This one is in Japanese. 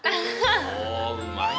おうまいな。